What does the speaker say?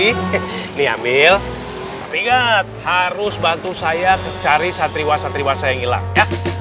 hai ring force bantu saya cari sastri wasatri masa ini lagi